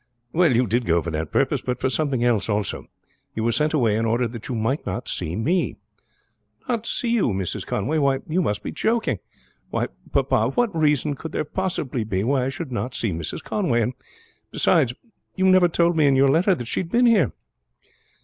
"Well, you did go for that purpose, but for something else also. You were sent away in order that you might not see me." "Not see you, Mrs. Conway! Why, you must be joking. Why, papa, what reason could there possibly be why I should not see Mrs. Conway? And beside, you never told me in your letter that she had been here."